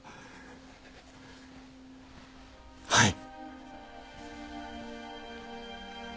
はい。